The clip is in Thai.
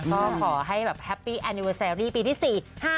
ก็ขอให้แบบแฮปปี้แอนิเวอร์แซรี่ปีที่๔๕